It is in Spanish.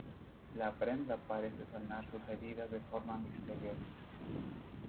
La prenda parece sanar sus heridas de forma misteriosa.